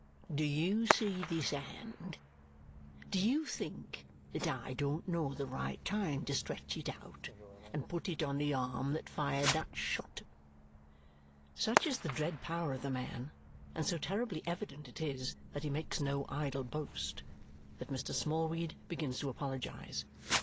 Do you see this hand, and do you think that I don't know the right time to stretch it out and put it on the arm that fired that shot?" Such is the dread power of the man, and so terribly evident it is that he makes no idle boast, that Mr. Smallweed begins to apologize.